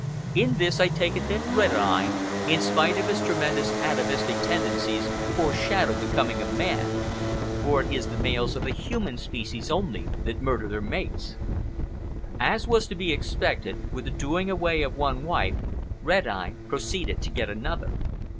In this I take it that Red Eye, in spite of his tremendous atavistic tendencies, foreshadowed the coming of man, for it is the males of the human species only that murder their mates. As was to be expected, with the doing away of one wife Red Eye proceeded to get another.